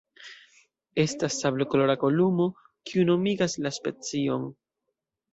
Estas sablokolora kolumo, kiu nomigas la specion.